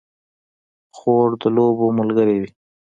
خور د لوبو ملګرې وي.